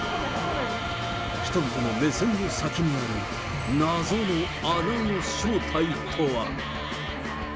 人々の目線の先にある謎の穴の正体とは。